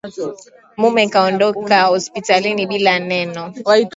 Mume kuondoka hospitalini bila neno